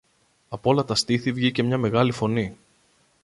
Απ' όλα τα στήθη βγήκε μια μεγάλη φωνή